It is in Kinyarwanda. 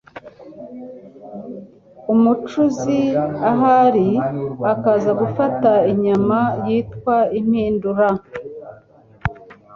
umucuzi ahari, akaza gufata inyama yitwa impindura